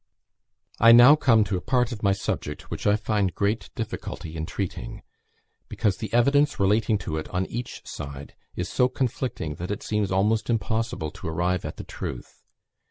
I now come to a part of my subject which I find great difficulty in treating, because the evidence relating to it on each side is so conflicting that it seems almost impossible to arrive at the truth.